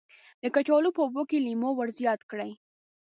د کچالو په اوبو کې لیمو ور زیات کړئ.